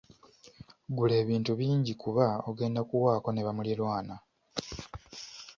Gula ebintu bingi kuba ogenda kuwaako ne bamuliraanwa.